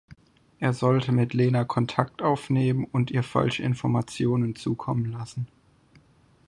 Er solle mit Lena Kontakt aufnehmen und ihr falsche Informationen zukommen lassen.